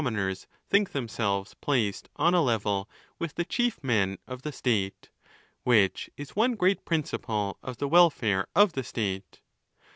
moners think themselves placed on a level with the chief men of the state, which is one great principle of the welfare of the state.